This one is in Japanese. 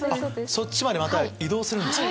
そっちまでまた移動するんですか。